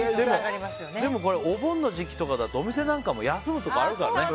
でもお盆の時期とかだとお店なんかも休むところあるからね。